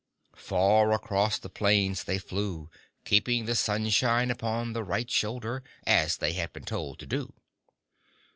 Far across the plains they flew, Keeping the sunshine Upon the right shoulder, as they had been told to do.